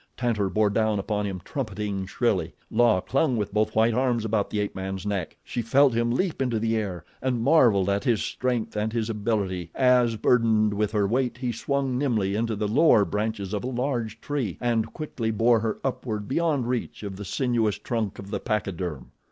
Tantor bore down upon him trumpeting shrilly. La clung with both white arms about the ape man's neck. She felt him leap into the air and marveled at his strength and his ability as, burdened with her weight, he swung nimbly into the lower branches of a large tree and quickly bore her upward beyond reach of the sinuous trunk of the pachyderm.